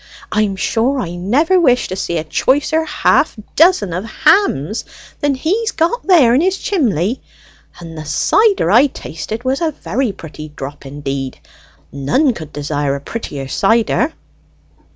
I'm sure I never wish to see a choicer half dozen of hams than he's got there in his chimley; and the cider I tasted was a very pretty drop, indeed; none could desire a prettier cider."